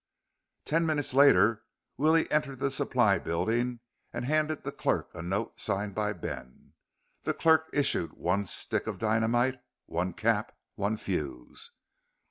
Ten minutes later Willie entered the supply building and handed the clerk a note signed by Ben. The clerk issued one stick of dynamite, one cap, one fuse.